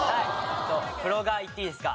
プロ画いっていいですか？